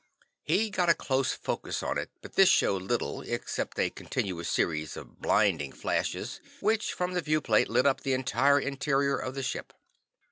He got a close focus on it, but this showed little except a continuous series of blinding flashes, which, from the viewplate, lit up the entire interior of the ship.